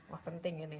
wah penting ini